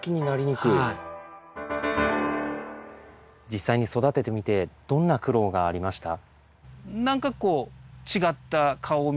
実際に育ててみてどんな苦労がありました？